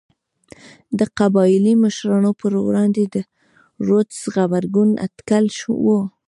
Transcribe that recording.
د قبایلي مشرانو پر وړاندې د رودز غبرګون اټکل و.